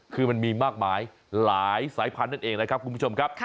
คือมันมีมากมายหลายสายพันธุ์นั่นเองนะครับคุณผู้ชมครับ